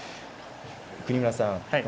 國村さん